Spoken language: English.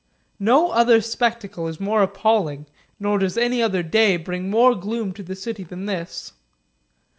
No other spectacle is more appalling, nor does any other day bring more gloom to the city than this.